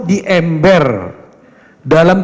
di ember dalam